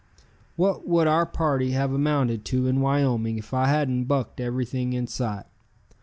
What would our party have amounted to in Wyoming if I hadn't Bucked everything in sight?